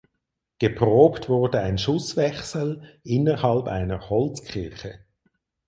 Geprobt wurde ein Schusswechsel innerhalb einer Holzkirche.